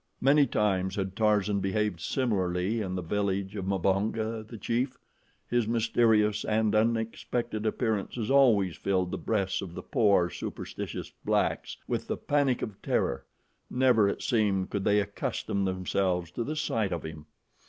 Many times had Tarzan behaved similarly in the village of Mbonga, the chief. His mysterious and unexpected appearances always filled the breasts of the poor, superstitious blacks with the panic of terror; never, it seemed, could they accustom themselves to the sight of him.